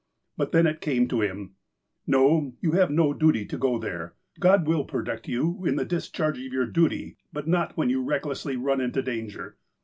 But then it came to him :" No, you have no duty to go there. God will protect you in the discharge of your duty, but not when you recklessly run into danger."